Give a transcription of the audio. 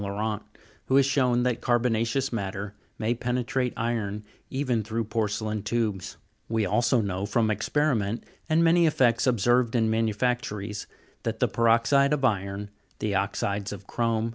Laurent, who has shown that carbona'ceous matter may penetrate iron even through EFFECTS ATTRIBUTABLE TO EROSION. 179 porcelain tubes. We also know, from experiment, and many effects ob served in manufactories, that the peroxide of iron, the oxides of chrome, &c.